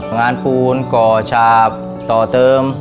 งานปูนก่อชาบต่อเติม